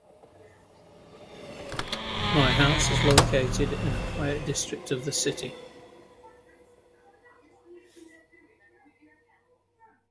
My house is located in a quiet district of the city.